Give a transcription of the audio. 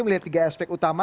melihat tiga aspek utama